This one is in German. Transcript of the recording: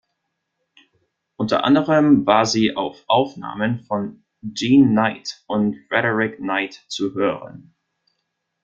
Unter anderem war sie auf Aufnahmen von Jean Knight und Frederick Knight zu hören.